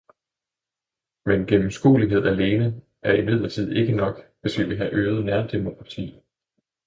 Mere gennemskuelighed alene er imidlertid ikke nok, hvis vi vil have øget nærdemokrati.